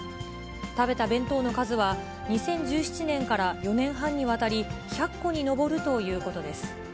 食べた弁当の数は、２０１７年から４年半にわたり、１００個に上るということです。